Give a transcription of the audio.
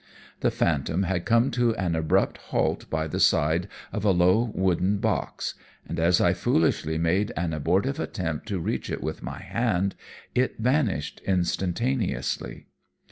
The phantom had come to an abrupt halt by the side of a low wooden box, and as I foolishly made an abortive attempt to reach it with my hand, it vanished instantaneously.